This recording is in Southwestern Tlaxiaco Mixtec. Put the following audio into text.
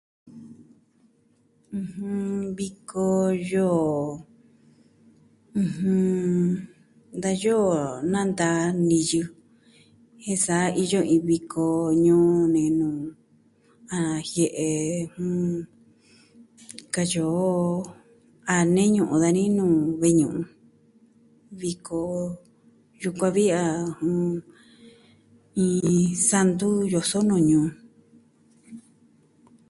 ɨjɨn, viko yoo. Da yoo nanta niyɨ jen sa iyo iin viko ñuu ni nuu a jie'e, katyi o, a nee ñu'un dani nuu ve'i ñu'un. Viko yukuan vi a iin santu yoso nuu ñuu.